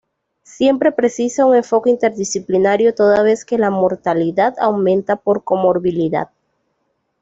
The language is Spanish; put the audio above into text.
Siempre precisa un enfoque interdisciplinario, toda vez que la mortalidad aumenta por comorbilidad.